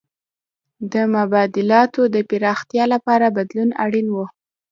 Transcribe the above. د مبادلاتو د پراختیا لپاره بدلون اړین و.